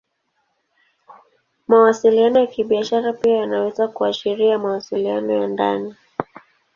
Mawasiliano ya Kibiashara pia yanaweza kuashiria mawasiliano ya ndani.